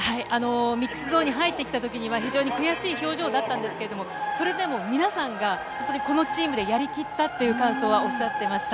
ミックスゾーンに入ってきた時には悔しい表情だったんですけれど、それでも皆さんがこのチームでやりきったっていう感想はおっしゃっていました。